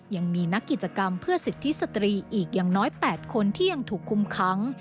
ยังมีนักกิจกรรมเพื่อสิทธิสตรีอีกอย่างน้อย๘คนที่ยังถูกคุมค้าง